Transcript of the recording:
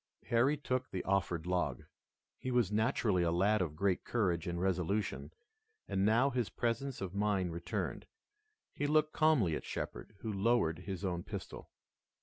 Harry took the offered log. He was naturally a lad of great courage and resolution, and now his presence of mind returned. He looked calmly at Shepard, who lowered his own pistol.